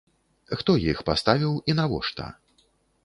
Хто іх паставіў і навошта?